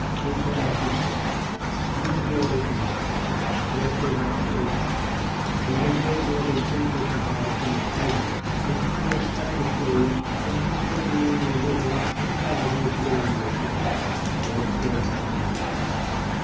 They cannot be killed. No door opens to them: yet they have to go somewhere. And they go where they think they can hide from the police and still ply the trade that gives them the only living society is willing they shall have, though it says it is not."